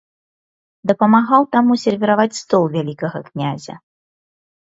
Дапамагаў таму сервіраваць стол вялікага князя.